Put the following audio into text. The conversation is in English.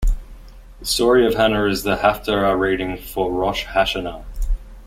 The story of Hannah is the Haftarah reading for Rosh Hashanah.